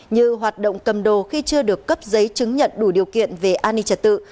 như hoạt động cầm đồ khi chưa được cấp giấy chứng nhận đủ điều kiện về an ninh trật tự